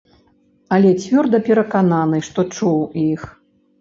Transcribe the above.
Але цвёрда перакананы, што чуў іх.